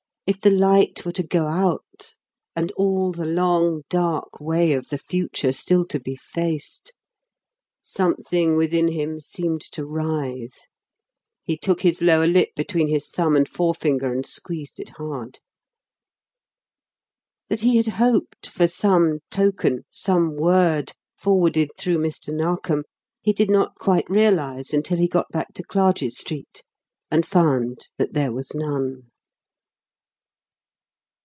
If the Light were to go out ... and all the long, dark way of the Future still to be faced.... Something within him seemed to writhe. He took his lower lip between his thumb and forefinger and squeezed it hard. That he had hoped for some token, some word forwarded through Mr. Narkom he did not quite realise until he got back to Clarges Street and found that there was none.